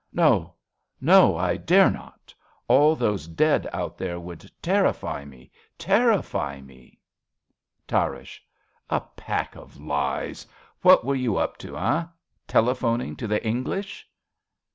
No, no, I dare not. All those dead out there would terrify me, terrify me ! Tarrasch. A pack of lies ! What were you up to, eh ? Telephoning to the English